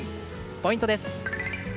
ポイントです。